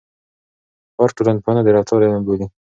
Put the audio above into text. پارک ټولنپوهنه د رفتار علم بولي.